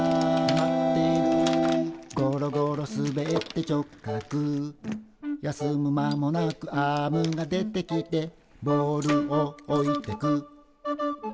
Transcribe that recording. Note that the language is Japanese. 「ゴロゴロ滑って直角」「休む間もなくアームが出てきて」「ボールを置いてく」